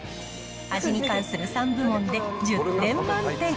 味に関する３部門で１０点満点。